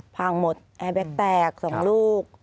พังหมดแอร์แบ็คแตก๒ลูก